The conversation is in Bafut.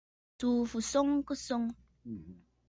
Tsùù fɨswo kɨswoŋǝ.